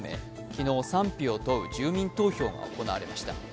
昨日、賛否を問う住民投票が行われました。